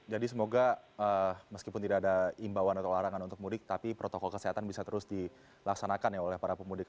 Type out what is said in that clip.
jadi semoga meskipun tidak ada imbauan atau larangan untuk mudik tapi protokol kesehatan bisa terus dilaksanakan ya oleh para pemudik